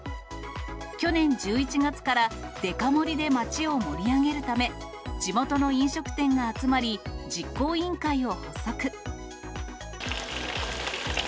去年１１月からデカ盛りで街を盛り上げるため、地元の飲食店が集まり、実行委員会を発足。